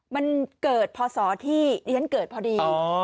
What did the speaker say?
มันเกิดพศที่ดิฉันเกิดพอดี